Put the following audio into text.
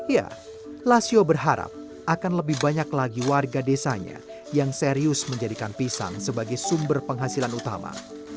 ya lasio berharap akan lebih banyak lagi warga desanya yang serius menjadikan pisang sebagai sumber penghasilan utama